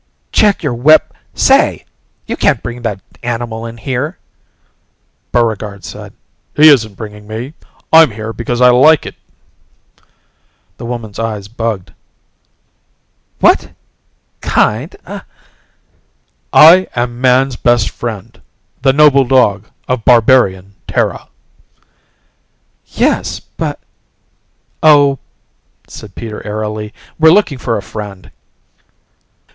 "Check your weap ... say! You can't bring that animal in here!" Buregarde said, "He isn't bringing me. I'm here because I like it." The woman's eyes bugged. "What ... kind ?" "I am man's best friend the noble dog of Barbarian Terra." "Yes ... but " "Oh," said Peter airily, "we're looking for a friend."